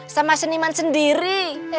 sama seniman sendiri